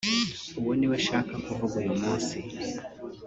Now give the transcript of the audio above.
uwo niwe nshaka kuvuga uyu munsi